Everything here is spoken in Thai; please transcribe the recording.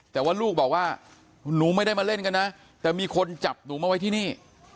แต่ว่าลูกบอกว่าหนูไม่ได้มาเล่นกันนะแต่มีคนจับหนูมาไว้ที่นี่